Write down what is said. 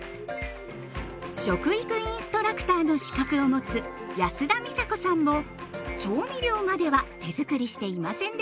食育インストラクターの資格を持つ安田美沙子さんも調味料までは手づくりしていませんでした。